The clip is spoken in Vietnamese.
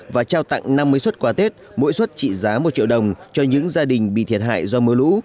và trao tặng năm mươi xuất quà tết mỗi suất trị giá một triệu đồng cho những gia đình bị thiệt hại do mưa lũ